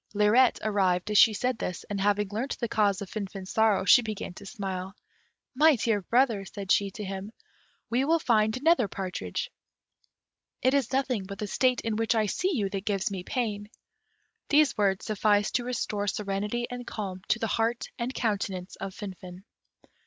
Lirette arrived as she said this, and having learnt the cause of Finfin's sorrow, she began to smile. "My dear brother," said she to him, "we will find another partridge; it is nothing but the state in which I see you that gives me pain." These words sufficed to restore serenity and calm to the heart and countenance of Finfin.